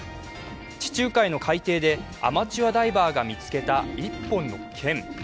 地中海の海底でアマチュアダイバーが見つけた１本の剣。